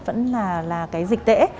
vẫn là cái dịch tễ